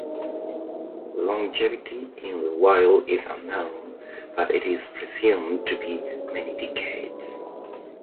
Longevity in the wild is unknown but is presumed to be many decades.